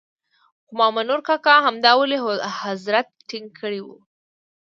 خو مامنور کاکا همدا ولي حضرت ټینګ کړی وو.